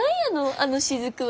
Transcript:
あの滴は。